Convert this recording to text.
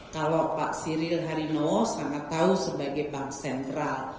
kalau pak siril harimau sangat tahu sebagai bank sentral